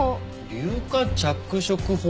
硫化着色法？